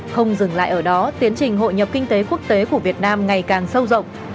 không dừng lại ở đó tiến trình hội nhập kinh tế quốc tế của việt nam ngày càng sâu rộng